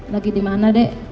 lagi dimana dek